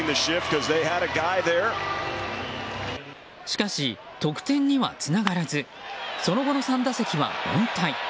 しかし得点にはつながらずその後の３打席は凡退。